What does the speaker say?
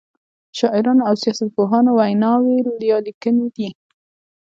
شاعرانو او سیاست پوهانو ویناوی یا لیکنې دي.